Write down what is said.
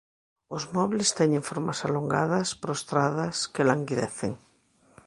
Os mobles teñen formas alongadas, prostradas, que languidecen.